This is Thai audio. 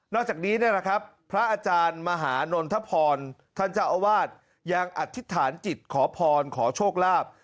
จากนี้นะครับพระอาจารย์มหานนทพรท่านเจ้าอาวาสยังอธิษฐานจิตขอพรขอโชคลาภ